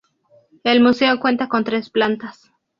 El museo cuenta con tres plantas.